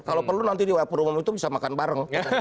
kalau perlu nanti di dapur umum itu bisa makan bareng